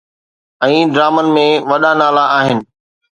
۽ ڊرامن ۾ وڏا نالا آهن